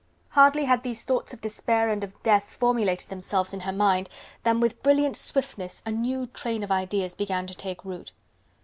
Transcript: Hardly had these thoughts of despair and of death formulated themselves in her mind, than with brilliant swiftness, a new train of ideas began to take root.